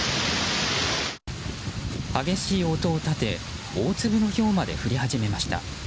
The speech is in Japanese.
激しい音を立て大粒のひょうまで降り始めました。